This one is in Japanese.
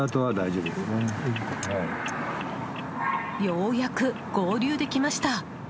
ようやく合流できました。